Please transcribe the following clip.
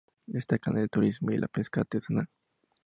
Destacan el turismo y la pesca artesanal.